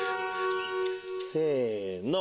せの！